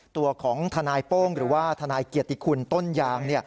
ตัวของทนายโป้งหรือว่าทนายเกียรติคุณต้นยาง